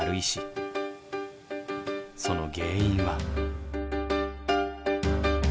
その原因は。